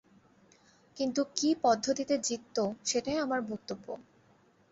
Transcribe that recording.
কিন্তু কী পদ্ধতিতে জিতত সেটাই আমার বক্তব্য।